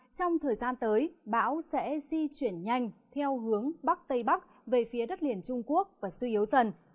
trong thời gian tới bão sẽ di chuyển nhanh theo hướng bắc tây bắc về phía đất liền trung quốc và suy yếu dần